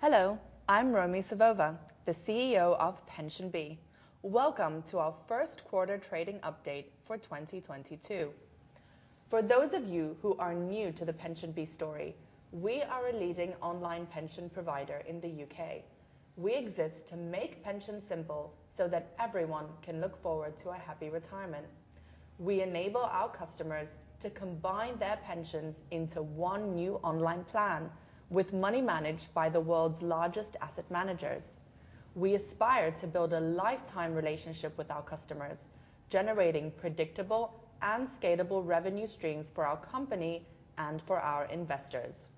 Hello, I'm Romi Savova, the CEO of PensionBee. Welcome to our first quarter trading update for 2022. For those of you who are new to the PensionBee story, we are a leading online pension provider in the U.K. We exist to make pensions simple so that everyone can look forward to a happy retirement. We enable our customers to combine their pensions into one new online plan with money managed by the world's largest asset managers. We aspire to build a lifetime relationship with our customers, generating predictable and scalable revenue streams for our company and for our investors.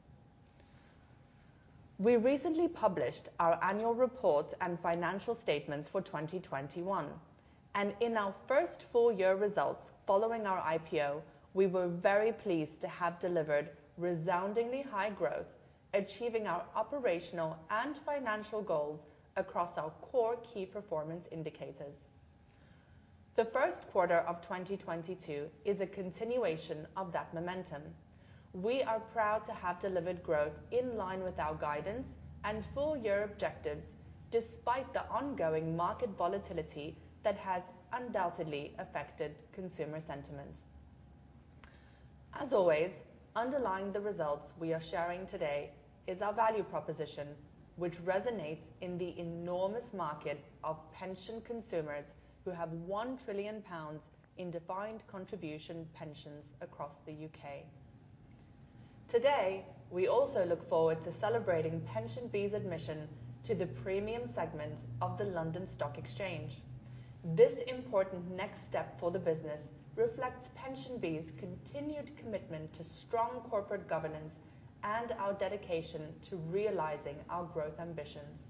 We recently published our annual report and financial statements for 2021, and in our first full year results following our IPO, we were very pleased to have delivered resoundingly high growth, achieving our operational and financial goals across our core key performance indicators. The first quarter of 2022 is a continuation of that momentum. We are proud to have delivered growth in line with our guidance and full year objectives, despite the ongoing market volatility that has undoubtedly affected consumer sentiment. As always, underlying the results we are sharing today is our value proposition, which resonates in the enormous market of pension consumers who have 1 trillion pounds in defined contribution pensions across the U.K. Today, we also look forward to celebrating PensionBee's admission to the Premium Segment of the London Stock Exchange. This important next step for the business reflects PensionBee's continued commitment to strong corporate governance and our dedication to realizing our growth ambitions.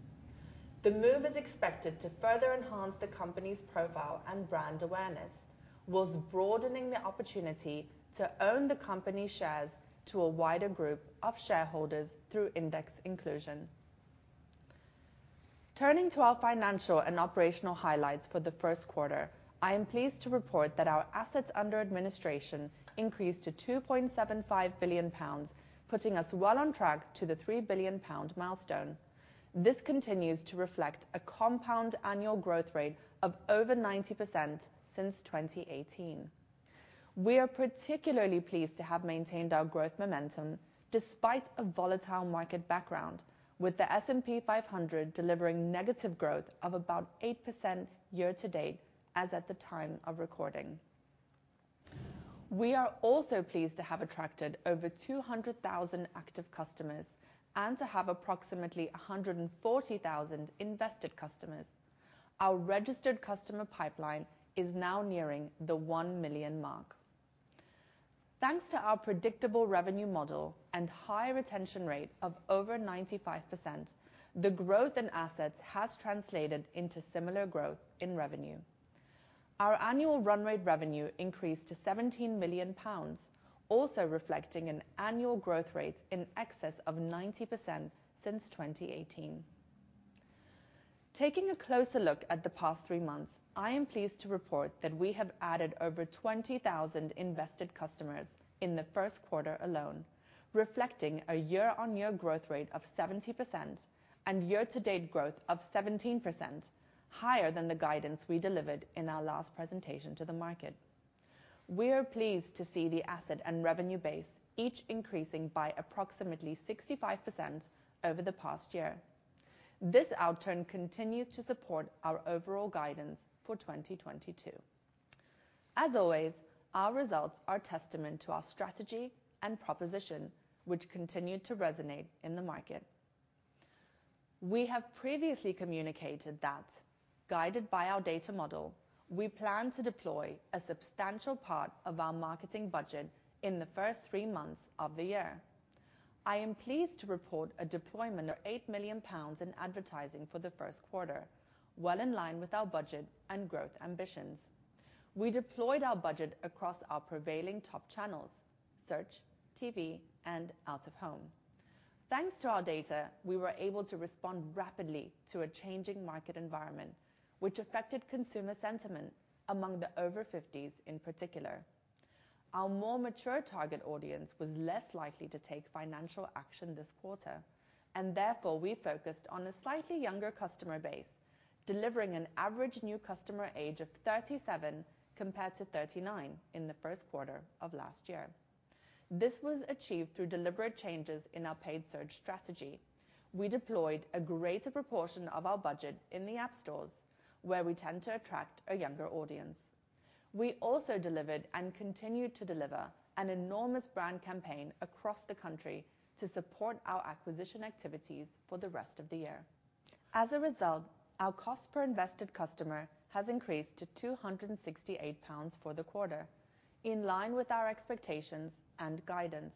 The move is expected to further enhance the company's profile and brand awareness, while broadening the opportunity to own the company shares to a wider group of shareholders through index inclusion. Turning to our financial and operational highlights for the first quarter, I am pleased to report that our assets under administration increased to 2.75 billion pounds, putting us well on track to the 3 billion pound milestone. This continues to reflect a compound annual growth rate of over 90% since 2018. We are particularly pleased to have maintained our growth momentum despite a volatile market background with the S&P 500 delivering negative growth of about 8% year to date as at the time of recording. We are also pleased to have attracted over 200,000 active customers and to have approximately 140,000 invested customers. Our registered customer pipeline is now nearing the 1 million mark. Thanks to our predictable revenue model and high retention rate of over 95%, the growth in assets has translated into similar growth in revenue. Our annual run rate revenue increased to 17 million pounds, also reflecting an annual growth rate in excess of 90% since 2018. Taking a closer look at the past three months, I am pleased to report that we have added over 20,000 invested customers in the first quarter alone, reflecting a year-on-year growth rate of 70% and year-to-date growth of 17% higher than the guidance we delivered in our last presentation to the market. We are pleased to see the asset and revenue base each increasing by approximately 65% over the past year. This outturn continues to support our overall guidance for 2022. As always, our results are testament to our strategy and proposition, which continue to resonate in the market. We have previously communicated that guided by our data model, we plan to deploy a substantial part of our marketing budget in the first three months of the year. I am pleased to report a deployment of 8 million pounds in advertising for the first quarter, well in line with our budget and growth ambitions. We deployed our budget across our prevailing top channels, search, TV, and out of home. Thanks to our data, we were able to respond rapidly to a changing market environment which affected consumer sentiment among the over 50s in particular. Our more mature target audience was less likely to take financial action this quarter, and therefore we focused on a slightly younger customer base, delivering an average new customer age of 37 compared to 39 in the first quarter of last year. This was achieved through deliberate changes in our paid search strategy. We deployed a greater proportion of our budget in the app stores, where we tend to attract a younger audience. We also delivered and continued to deliver an enormous brand campaign across the country to support our acquisition activities for the rest of the year. As a result, our cost per invested customer has increased to 268 pounds for the quarter, in line with our expectations and guidance.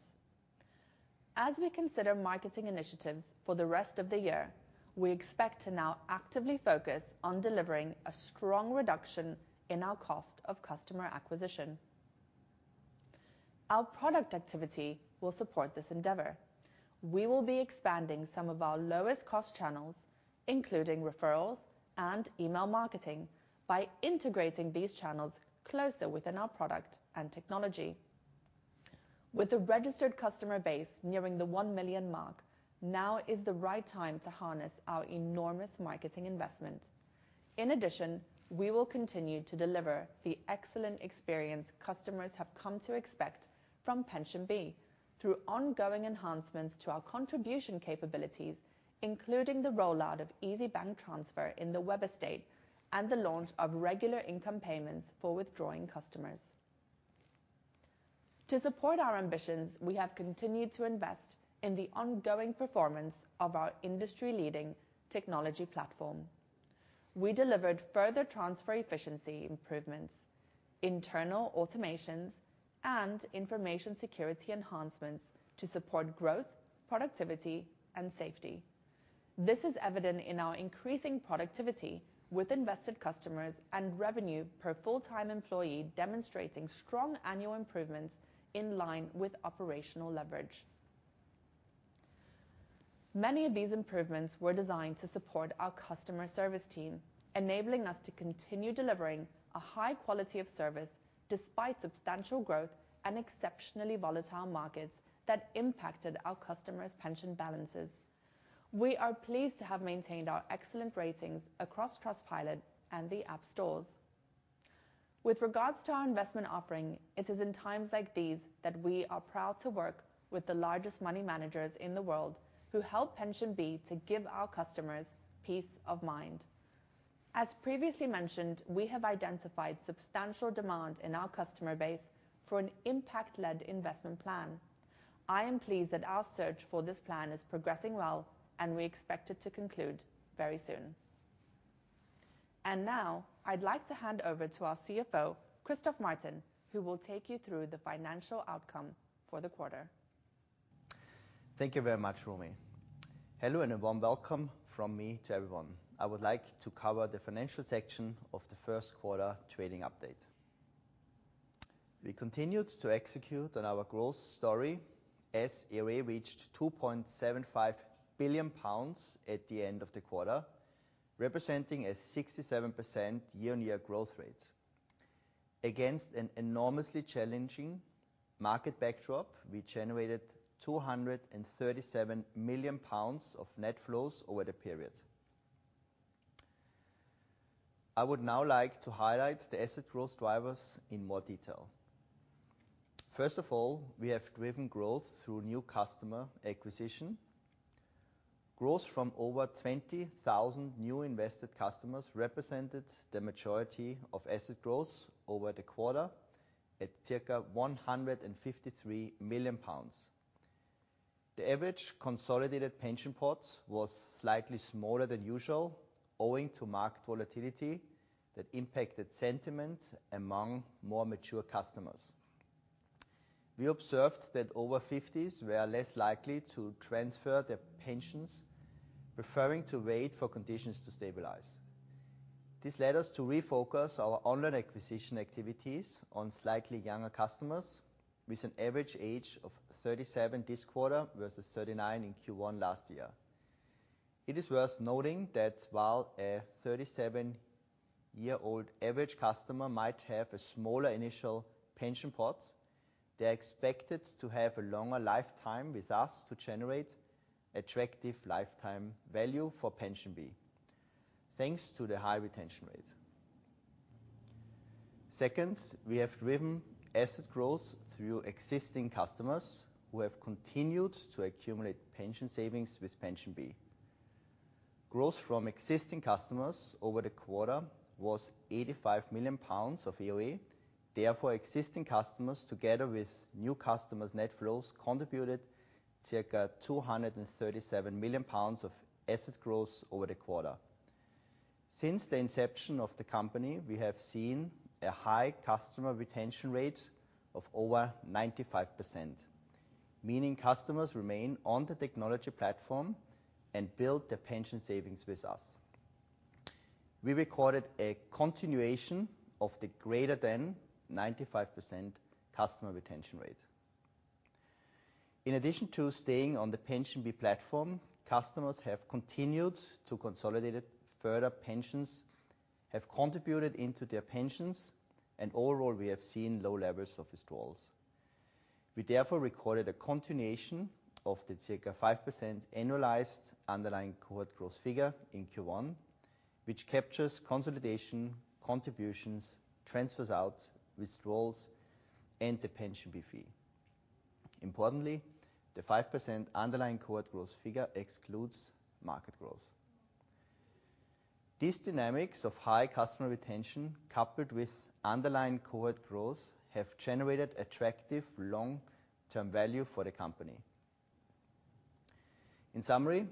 As we consider marketing initiatives for the rest of the year, we expect to now actively focus on delivering a strong reduction in our cost of customer acquisition. Our product activity will support this endeavor. We will be expanding some of our lowest cost channels, including referrals and email marketing by integrating these channels closer within our product and technology. With a registered customer base nearing the 1 million mark, now is the right time to harness our enormous marketing investment. In addition, we will continue to deliver the excellent experience customers have come to expect from PensionBee through ongoing enhancements to our contribution capabilities, including the rollout of easy bank transfer in the web estate and the launch of regular income payments for withdrawing customers. To support our ambitions, we have continued to invest in the ongoing performance of our industry-leading technology platform. We delivered further transfer efficiency improvements, internal automations and information security enhancements to support growth, productivity and safety. This is evident in our increasing productivity with invested customers and revenue per full-time employee demonstrating strong annual improvements in line with operational leverage. Many of these improvements were designed to support our customer service team, enabling us to continue delivering a high quality of service despite substantial growth and exceptionally volatile markets that impacted our customers' pension balances. We are pleased to have maintained our excellent ratings across Trustpilot and the app stores. With regards to our investment offering, it is in times like these that we are proud to work with the largest money managers in the world who help PensionBee to give our customers peace of mind. As previously mentioned, we have identified substantial demand in our customer base for an impact-led investment plan. I am pleased that our search for this plan is progressing well and we expect it to conclude very soon. Now I'd like to hand over to our CFO, Christoph Martin, who will take you through the financial outcome for the quarter. Thank you very much, Romi. Hello, and a warm welcome from me to everyone. I would like to cover the financial section of the first quarter trading update. We continued to execute on our growth story as AUA reached 2.75 billion pounds at the end of the quarter, representing a 67% year-on-year growth rate. Against an enormously challenging market backdrop, we generated 237 million pounds of net flows over the period. I would now like to highlight the asset growth drivers in more detail. First of all, we have driven growth through new customer acquisition. Growth from over 20,000 new invested customers represented the majority of asset growth over the quarter at circa 153 million pounds. The average consolidated pension pot was slightly smaller than usual, owing to market volatility that impacted sentiment among more mature customers. We observed that over fifties were less likely to transfer their pensions, preferring to wait for conditions to stabilize. This led us to refocus our online acquisition activities on slightly younger customers with an average age of 37 this quarter versus 39 in Q1 last year. It is worth noting that while a 37-year-old average customer might have a smaller initial pension pot, they are expected to have a longer lifetime with us to generate attractive lifetime value for PensionBee, thanks to the high retention rate. Second, we have driven asset growth through existing customers who have continued to accumulate pension savings with PensionBee. Growth from existing customers over the quarter was 85 million pounds of AUA. Therefore, existing customers, together with new customers' net flows, contributed circa 237 million pounds of asset growth over the quarter. Since the inception of the company, we have seen a high customer retention rate of over 95%, meaning customers remain on the technology platform and build their pension savings with us. We recorded a continuation of the greater than 95% customer retention rate. In addition to staying on the PensionBee platform, customers have continued to consolidate further pensions, have contributed into their pensions, and overall, we have seen low levels of withdrawals. We therefore recorded a continuation of the circa 5% annualized underlying cohort growth figure in Q1, which captures consolidation, contributions, transfers out, withdrawals, and the PensionBee fee. Importantly, the 5% underlying cohort growth figure excludes market growth. These dynamics of high customer retention coupled with underlying cohort growth have generated attractive long-term value for the company. In summary,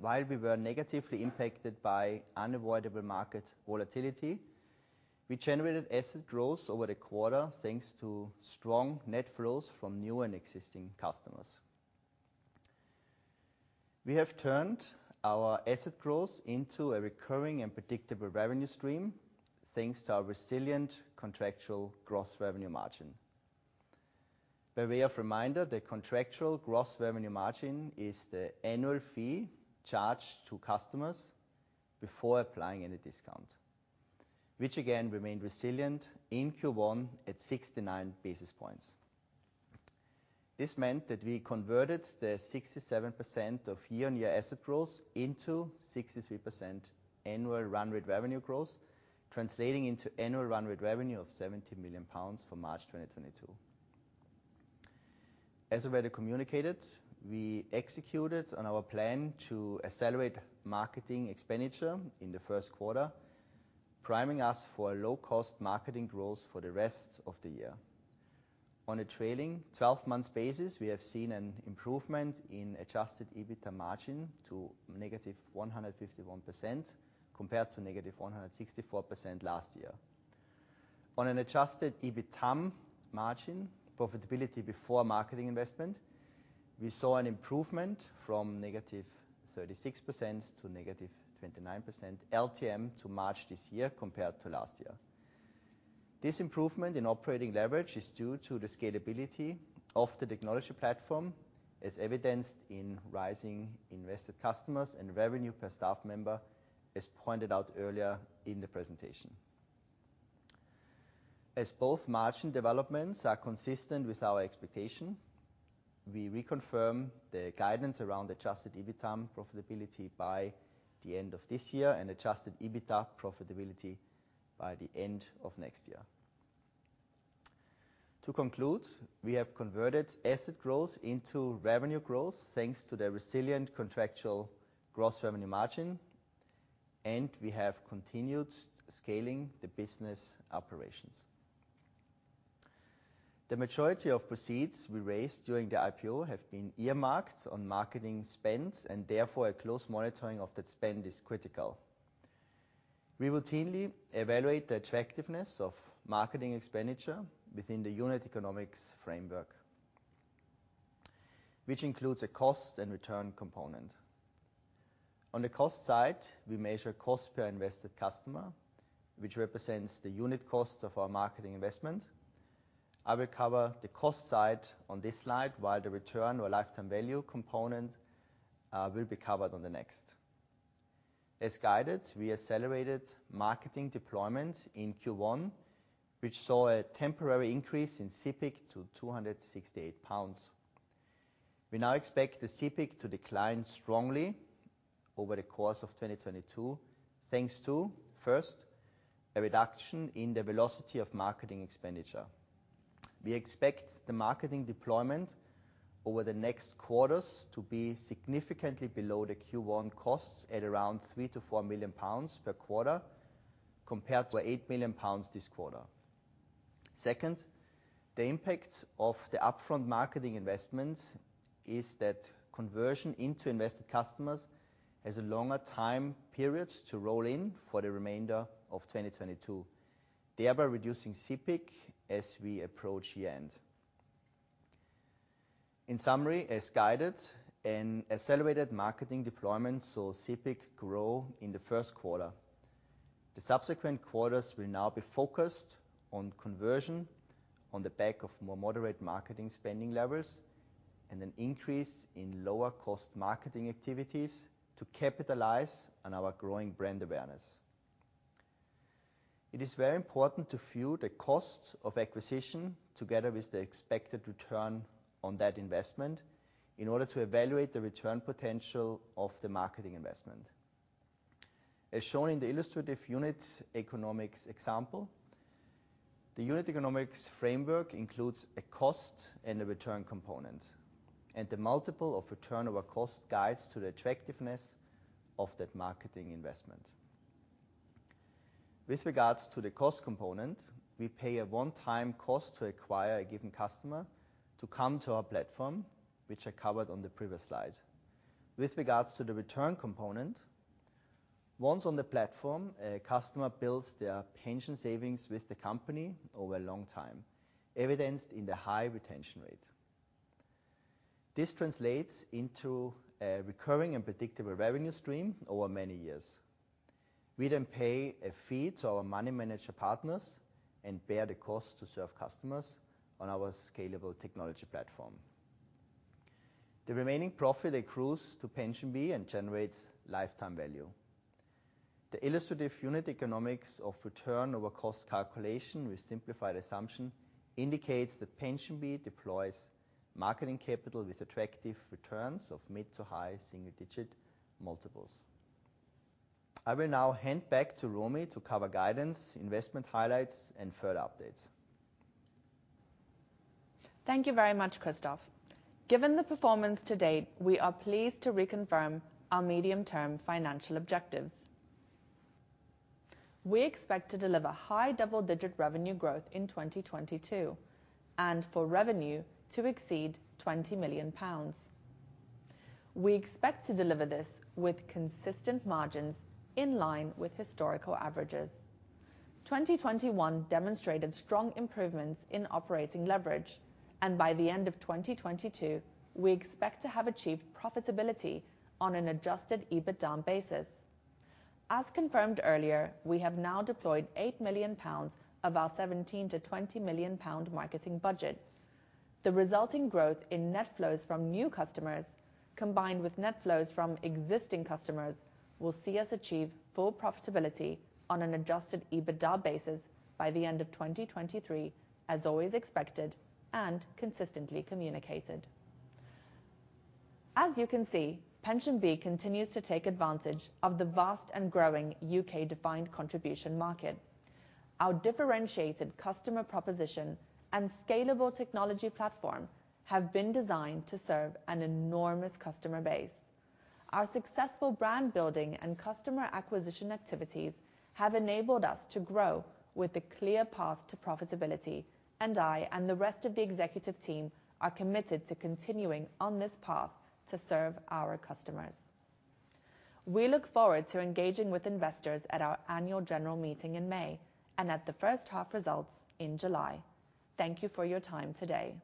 while we were negatively impacted by unavoidable market volatility, we generated asset growth over the quarter, thanks to strong net flows from new and existing customers. We have turned our asset growth into a recurring and predictable revenue stream, thanks to our resilient contractual gross revenue margin. By way of reminder, the contractual gross revenue margin is the annual fee charged to customers before applying any discount, which again remained resilient in Q1 at 69 basis points. This meant that we converted the 67% year-on-year asset growth into 63% annual run rate revenue growth, translating into annual run rate revenue of 17 million pounds for March 2022. As already communicated, we executed on our plan to accelerate marketing expenditure in the first quarter, priming us for a low-cost marketing growth for the rest of the year. On a trailing 12 months basis, we have seen an improvement in adjusted EBITDA margin to -151%, compared to -164% last year. On an adjusted EBITDA margin profitability before marketing investment, we saw an improvement from -36% to -29% LTM to March this year compared to last year. This improvement in operating leverage is due to the scalability of the technology platform, as evidenced in rising invested customers and revenue per staff member, as pointed out earlier in the presentation. As both margin developments are consistent with our expectation, we reconfirm the guidance around adjusted EBITDA profitability by the end of this year and adjusted EBITDA profitability by the end of next year. To conclude, we have converted asset growth into revenue growth thanks to the resilient contractual gross revenue margin, and we have continued scaling the business operations. The majority of proceeds we raised during the IPO have been earmarked on marketing spends, and therefore a close monitoring of that spend is critical. We routinely evaluate the attractiveness of marketing expenditure within the unit economics framework, which includes a cost and return component. On the cost side, we measure cost per invested customer, which represents the unit cost of our marketing investment. I will cover the cost side on this slide, while the return or lifetime value component will be covered on the next. As guided, we accelerated marketing deployments in Q1, which saw a temporary increase in CPIC to 268 pounds. We now expect the CPIC to decline strongly over the course of 2022, thanks to, first, a reduction in the velocity of marketing expenditure. We expect the marketing deployment over the next quarters to be significantly below the Q1 costs at around 3 million-4 million pounds per quarter, compared to 8 million pounds this quarter. Second, the impact of the upfront marketing investments is that conversion into invested customers has a longer time period to roll in for the remainder of 2022, thereby reducing CPIC as we approach the end. In summary, as guided and accelerated marketing deployments saw CPIC grow in the first quarter. The subsequent quarters will now be focused on conversion on the back of more moderate marketing spending levels and an increase in lower cost marketing activities to capitalize on our growing brand awareness. It is very important to view the cost of acquisition together with the expected return on that investment in order to evaluate the return potential of the marketing investment. As shown in the illustrative unit economics example, the unit economics framework includes a cost and a return component, and the multiple of return over cost guides to the attractiveness of that marketing investment. With regards to the cost component, we pay a one-time cost to acquire a given customer to come to our platform, which I covered on the previous slide. With regards to the return component, once on the platform, a customer builds their pension savings with the company over a long time, evidenced in the high retention rate. This translates into a recurring and predictable revenue stream over many years. We pay a fee to our money manager partners and bear the cost to serve customers on our scalable technology platform. The remaining profit accrues to PensionBee and generates lifetime value. The illustrative unit economics of return over cost calculation with simplified assumption indicates that PensionBee deploys marketing capital with attractive returns of mid- to high-single-digit multiples. I will now hand back to Romi to cover guidance, investment highlights and further updates. Thank you very much, Christoph. Given the performance to date, we are pleased to reconfirm our medium-term financial objectives. We expect to deliver high double-digit revenue growth in 2022 and for revenue to exceed 20 million pounds. We expect to deliver this with consistent margins in line with historical averages. 2021 demonstrated strong improvements in operating leverage. By the end of 2022, we expect to have achieved profitability on an Adjusted EBITDA basis. As confirmed earlier, we have now deployed 8 million pounds of our 17 million-20 million pound marketing budget. The resulting growth in net flows from new customers, combined with net flows from existing customers, will see us achieve full profitability on an Adjusted EBITDA basis by the end of 2023, as always expected and consistently communicated. As you can see, PensionBee continues to take advantage of the vast and growing U.K. defined contribution market. Our differentiated customer proposition and scalable technology platform have been designed to serve an enormous customer base. Our successful brand building and customer acquisition activities have enabled us to grow with a clear path to profitability. I and the rest of the executive team are committed to continuing on this path to serve our customers. We look forward to engaging with investors at our annual general meeting in May and at the first half results in July. Thank you for your time today.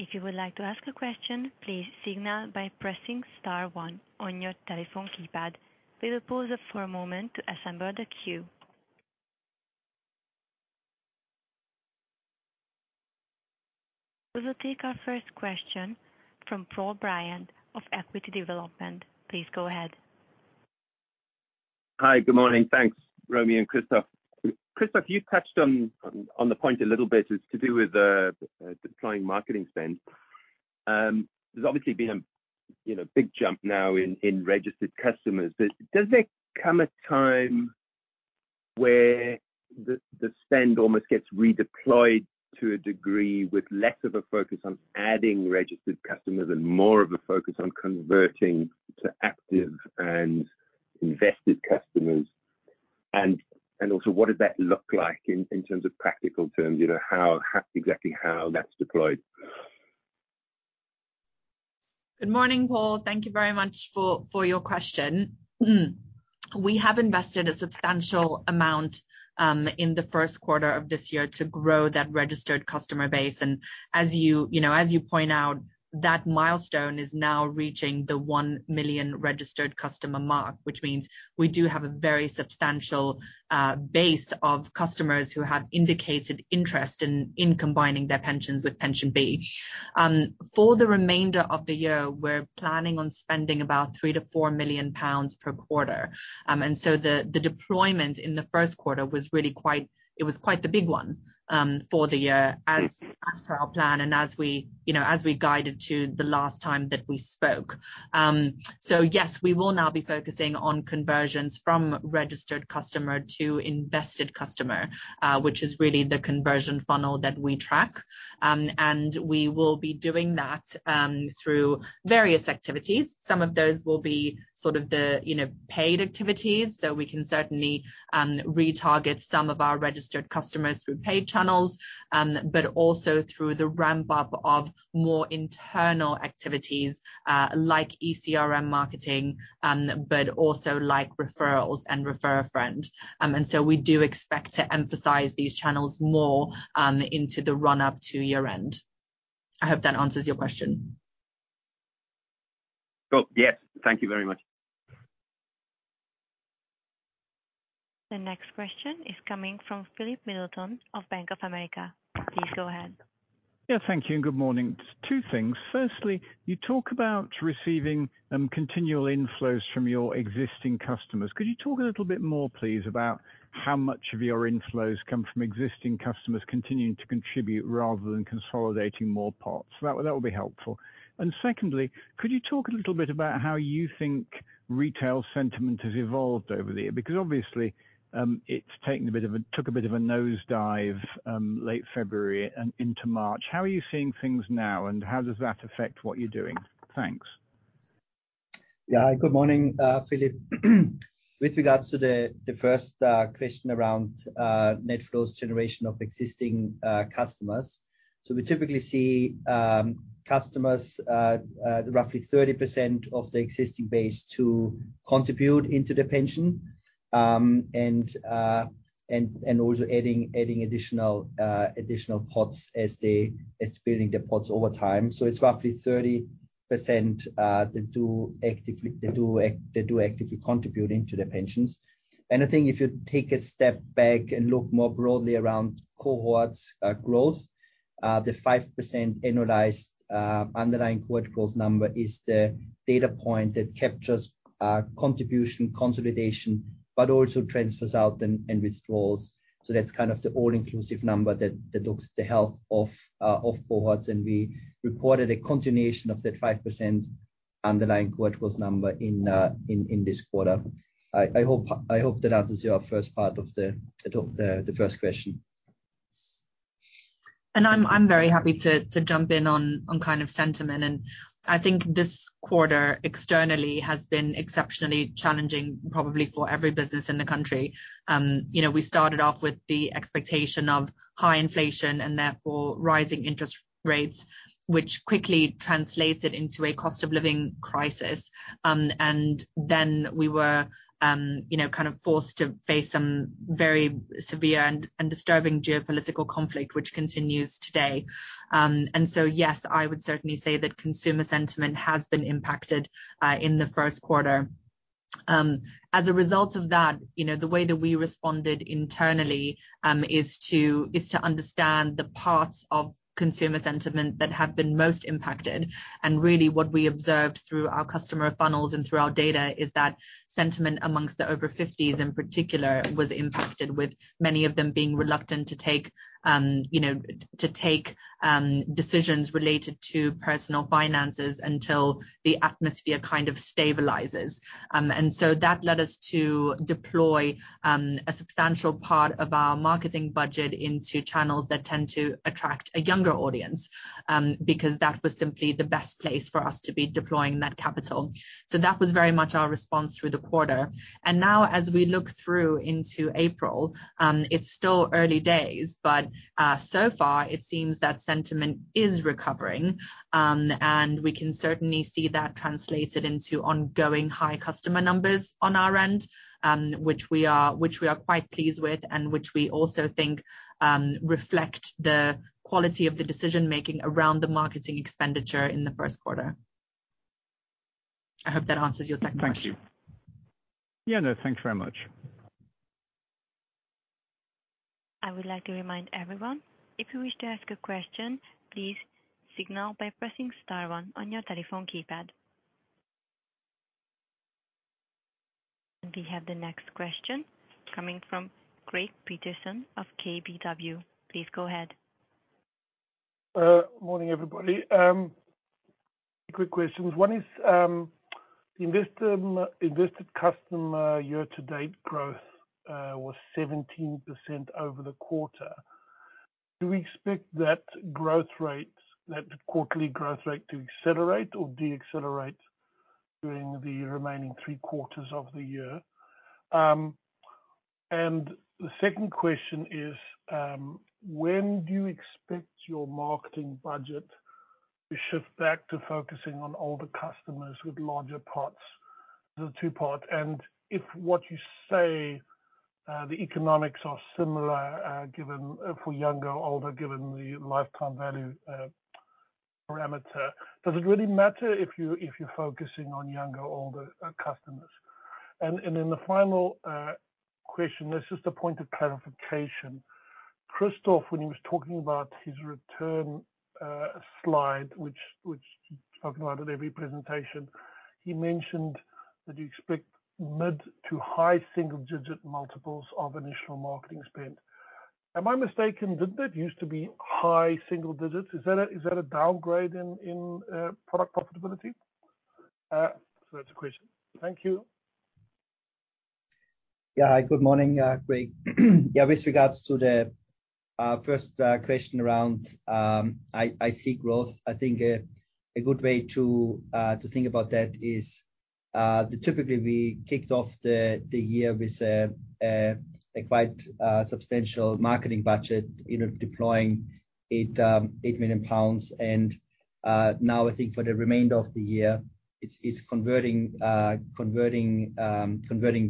If you would like to ask a question, please signal by pressing star one on your telephone keypad. We will pause for a moment to assemble the queue. We will take our first question from Paul Bryant of Equity Development. Please go ahead. Hi. Good morning. Thanks, Romi and Christoph. Christoph, you touched on the point a little bit is to do with deploying marketing spend. There's obviously been a, you know, big jump now in registered customers. Does there come a time where the spend almost gets redeployed to a degree with less of a focus on adding registered customers and more of a focus on converting to active and invested customers? Also what does that look like in terms of practical terms, you know, how exactly how that's deployed? Good morning, Paul. Thank you very much for your question. We have invested a substantial amount in the first quarter of this year to grow that registered customer base. As you know, as you point out, that milestone is now reaching the 1 million registered customer mark. Which means we do have a very substantial base of customers who have indicated interest in combining their pensions with PensionBee. For the remainder of the year, we're planning on spending about 3 million-4 million pounds per quarter. The deployment in the first quarter was quite the big one for the year as per our plan and as we you know as we guided to the last time that we spoke. Yes, we will now be focusing on conversions from registered customer to invested customer, which is really the conversion funnel that we track. We will be doing that through various activities. Some of those will be sort of the, you know, paid activities, so we can certainly retarget some of our registered customers through paid channels. Also through the ramp up of more internal activities, like eCRM marketing, but also like referrals and refer a friend. We do expect to emphasize these channels more into the run up to year-end. I hope that answers your question. Cool. Yes. Thank you very much. The next question is coming from Philip Middleton of Bank of America. Please go ahead. Yeah, thank you and good morning. Two things. Firstly, you talk about receiving continual inflows from your existing customers. Could you talk a little bit more, please, about how much of your inflows come from existing customers continuing to contribute rather than consolidating more pots? That would be helpful. Secondly, could you talk a little bit about how you think retail sentiment has evolved over the year? Because obviously, it took a bit of a nosedive late February and into March. How are you seeing things now, and how does that affect what you're doing? Thanks. Yeah. Good morning, Philip. With regards to the first question around net flows generation of existing customers. We typically see customers roughly 30% of the existing base to contribute into the pension and also adding additional pots as they're building their pots over time. It's roughly 30% that do actively contribute into their pensions. I think if you take a step back and look more broadly around cohort growth, the 5% annualized underlying cohort growth number is the data point that captures contribution consolidation, but also transfers out and withdrawals. That's kind of the all-inclusive number that looks at the health of cohorts. We reported a continuation of that 5% underlying cohort growth number in this quarter. I hope that answers your first part of the first question. I'm very happy to jump in on kind of sentiment. I think this quarter externally has been exceptionally challenging, probably for every business in the country. You know, we started off with the expectation of high inflation and therefore rising interest rates, which quickly translated into a cost of living crisis. You know, kind of forced to face some very severe and disturbing geopolitical conflict, which continues today. Yes, I would certainly say that consumer sentiment has been impacted in the first quarter. As a result of that, you know, the way that we responded internally is to understand the parts of consumer sentiment that have been most impacted. Really what we observed through our customer funnels and through our data is that sentiment amongst the over fifties in particular was impacted, with many of them being reluctant to take, you know, decisions related to personal finances until the atmosphere kind of stabilizes. That led us to deploy a substantial part of our marketing budget into channels that tend to attract a younger audience because that was simply the best place for us to be deploying that capital. That was very much our response through the quarter. Now as we look through into April, it's still early days, but so far it seems that sentiment is recovering. We can certainly see that translated into ongoing high customer numbers on our end, which we are quite pleased with and which we also think reflect the quality of the decision making around the marketing expenditure in the first quarter. I hope that answers your second question. Thank you. Yeah, no, thanks very much. I would like to remind everyone, if you wish to ask a question, please signal by pressing star one on your telephone keypad. We have the next question coming from Greg Peterson of KBW. Please go ahead. Morning, everybody. Quick questions. One is, Invested Customer year-to-date growth was 17% over the quarter. Do we expect that growth rate, that quarterly growth rate to accelerate or decelerate during the remaining three quarters of the year? The second question is, when do you expect your marketing budget to shift back to focusing on older customers with larger pots? The two-part, and if what you say, the economics are similar, given for younger or older, given the lifetime value parameter, does it really matter if you're focusing on younger or older customers? Then the final question, that's just a point of clarification. Christoph, when he was talking about his return slide, which he's talking about at every presentation, he mentioned that you expect mid to high single digit multiples of initial marketing spend. Am I mistaken? Didn't it used to be high single digits? Is that a downgrade in product profitability? That's a question. Thank you. Yeah. Good morning, Greg. Yeah, with regards to the first question around IC growth, I think a good way to think about that is typically we kicked off the year with a quite substantial marketing budget, you know, deploying 8 million pounds. Now I think for the remainder of the year, it's converting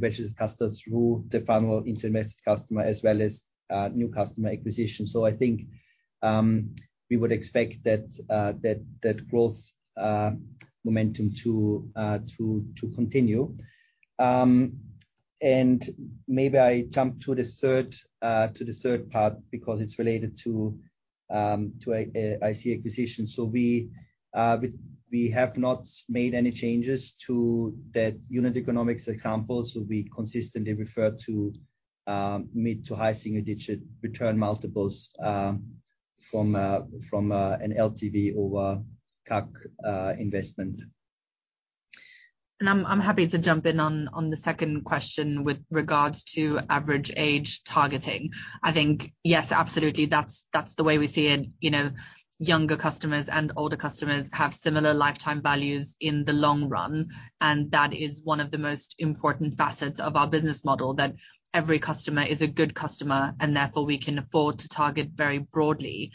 registered customers through the funnel into invested customer as well as new customer acquisition. I think we would expect that growth momentum to continue. Maybe I jump to the third part because it's related to a IC acquisition. We have not made any changes to that unit economics example. We consistently refer to mid- to high-single-digit return multiples from an LTV over CAC investment. I'm happy to jump in on the second question with regards to average age targeting. I think, yes, absolutely, that's the way we see it. You know, younger customers and older customers have similar lifetime values in the long run, and that is one of the most important facets of our business model, that every customer is a good customer and therefore we can afford to target very broadly.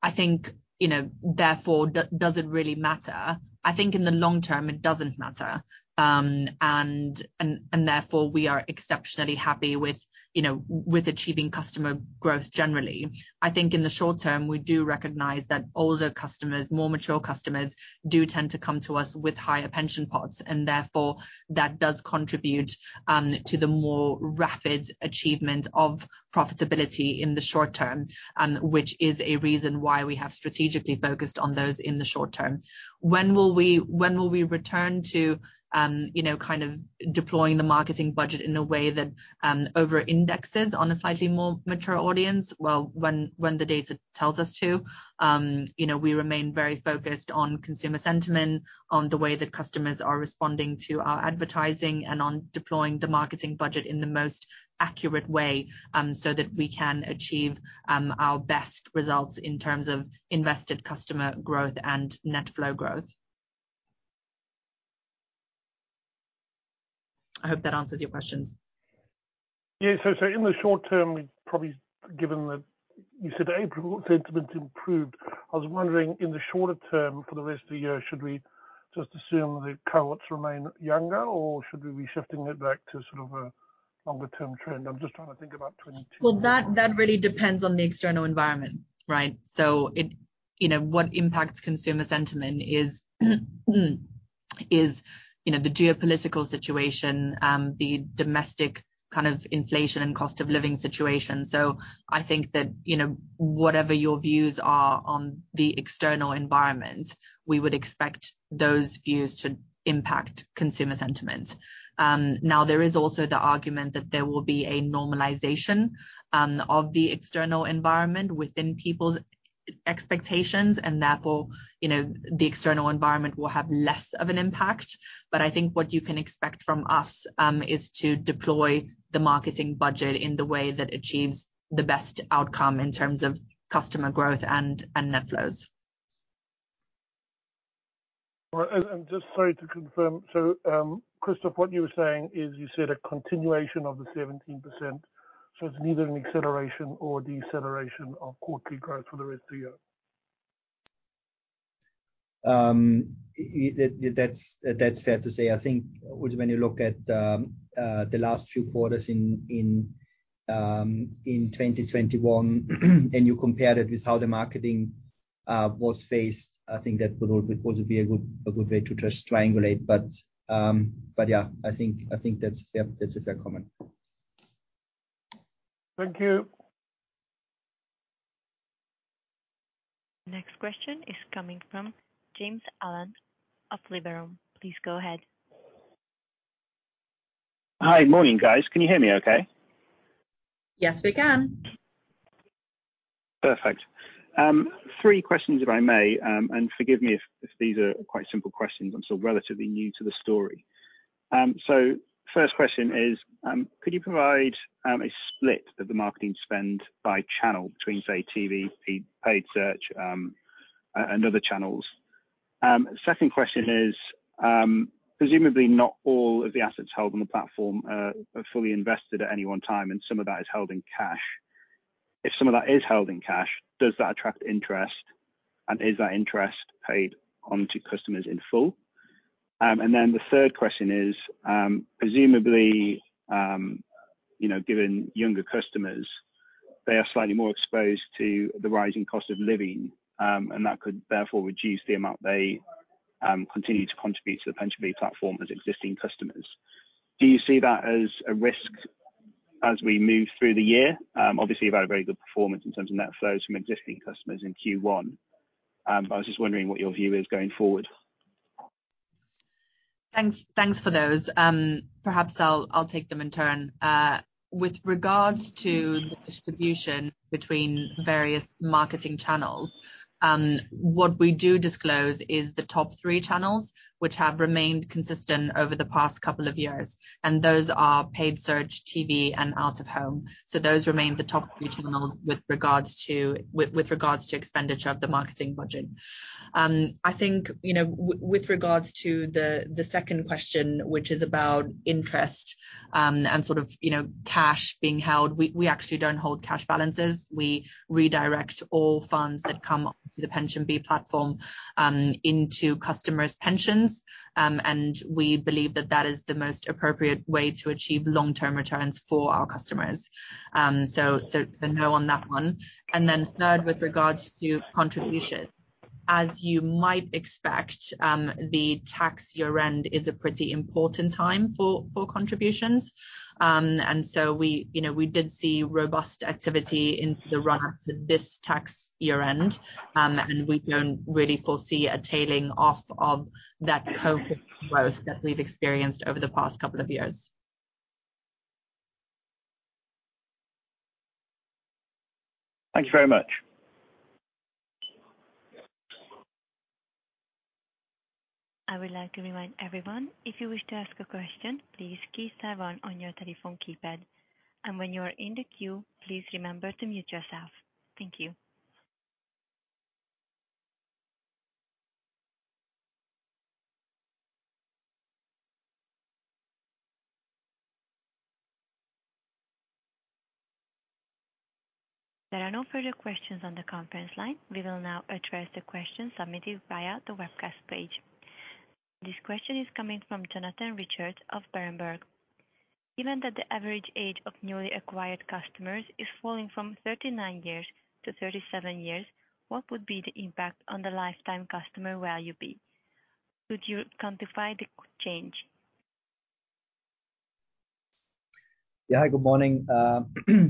I think, you know, therefore, does it really matter? I think in the long term it doesn't matter. Therefore we are exceptionally happy with, you know, with achieving customer growth generally. I think in the short term, we do recognize that older customers, more mature customers do tend to come to us with higher pension pots, and therefore that does contribute to the more rapid achievement of profitability in the short term, which is a reason why we have strategically focused on those in the short term. When will we return to, you know, kind of deploying the marketing budget in a way that over-indexes on a slightly more mature audience? Well, when the data tells us to. You know, we remain very focused on consumer sentiment, on the way that customers are responding to our advertising, and on deploying the marketing budget in the most accurate way, so that we can achieve our best results in terms of invested customer growth and net flow growth. I hope that answers your questions. Yeah. In the short term, probably given that you said April sentiment improved, I was wondering in the shorter term for the rest of the year, should we just assume the cohorts remain younger or should we be shifting it back to sort of a longer term trend? I'm just trying to think about 22- Well, that really depends on the external environment, right? You know, what impacts consumer sentiment is the geopolitical situation, the domestic kind of inflation and cost of living situation. I think that, you know, whatever your views are on the external environment, we would expect those views to impact consumer sentiments. Now there is also the argument that there will be a normalization of the external environment within people's expectations and therefore, you know, the external environment will have less of an impact. I think what you can expect from us is to deploy the marketing budget in the way that achieves the best outcome in terms of customer growth and net flows. All right. Just to confirm, Christoph, what you were saying is you said a continuation of the 17%, so it's neither an acceleration or deceleration of quarterly growth for the rest of the year. That's fair to say. I think when you look at the last few quarters in 2021 and you compare it with how the marketing was paced, I think that would also be a good way to just triangulate. Yeah. I think that's fair, that's a fair comment. Thank you. Next question is coming from James Allen of Liberum. Please go ahead. Hi. Morning, guys. Can you hear me okay? Yes, we can. Perfect. Three questions if I may, and forgive me if these are quite simple questions. I'm still relatively new to the story. First question is, could you provide a split of the marketing spend by channel between, say, TV, paid search, and other channels? Second question is, presumably not all of the assets held on the platform are fully invested at any one time and some of that is held in cash. If some of that is held in cash, does that attract interest, and is that interest paid onto customers in full? The third question is, presumably, you know, given younger customers, they are slightly more exposed to the rising cost of living, and that could therefore reduce the amount they continue to contribute to the PensionBee platform as existing customers. Do you see that as a risk as we move through the year? Obviously you've had a very good performance in terms of net flows from existing customers in Q1. I was just wondering what your view is going forward. Thanks for those. Perhaps I'll take them in turn. With regards to the distribution between various marketing channels, what we do disclose is the top three channels which have remained consistent over the past couple of years, and those are paid search, TV, and out of home. Those remain the top three channels with regards to expenditure of the marketing budget. I think, you know, with regards to the second question, which is about interest, and sort of, you know, cash being held, we actually don't hold cash balances. We redirect all funds that come onto the PensionBee platform into customers' pensions, and we believe that is the most appropriate way to achieve long-term returns for our customers. It's a no on that one. Then third, with regards to contribution. As you might expect, the tax year-end is a pretty important time for contributions. We, you know, we did see robust activity in the run up to this tax year-end, and we don't really foresee a tailing off of that cohort growth that we've experienced over the past couple of years. Thank you very much. I would like to remind everyone, if you wish to ask a question, please press star one on your telephone keypad. When you're in the queue, please remember to mute yourself. Thank you. There are no further questions on the conference line. We will now address the questions submitted via the webcast page. This question is coming from Jonathan Richards of Berenberg. Given that the average age of newly acquired customers is falling from 39 years to 37 years, what would be the impact on the lifetime customer value? Could you quantify the change? Yeah. Good morning.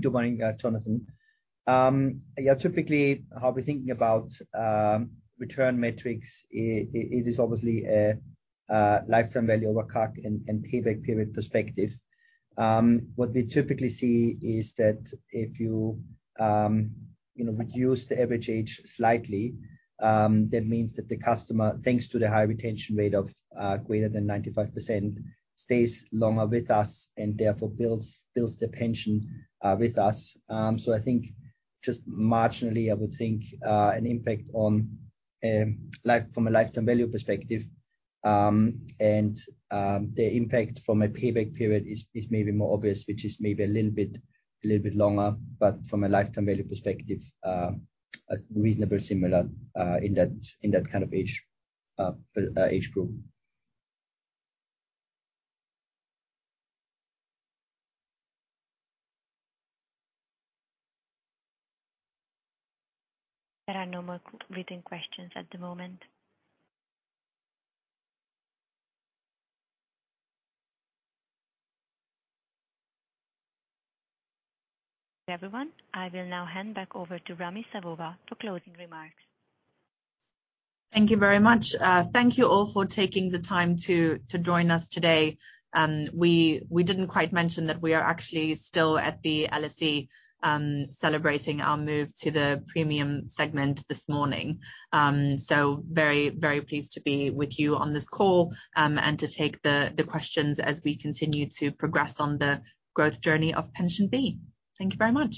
Good morning, Jonathan. Yeah, typically how we're thinking about return metrics, it is obviously a lifetime value over CAC and payback period perspective. What we typically see is that if you know reduce the average age slightly, that means that the customer, thanks to the high retention rate of greater than 95%, stays longer with us, and therefore builds the pension with us. I think just marginally, I would think an impact on life from a lifetime value perspective. The impact from a payback period is maybe more obvious, which is maybe a little bit longer. From a lifetime value perspective, reasonably similar in that kind of age group. There are no more written questions at the moment. Thank you, everyone. I will now hand back over to Romi Savova for closing remarks. Thank you very much. Thank you all for taking the time to join us today. We didn't quite mention that we are actually still at the LSE, celebrating our move to the Premium Segment this morning. Very, very pleased to be with you on this call, and to take the questions as we continue to progress on the growth journey of PensionBee. Thank you very much.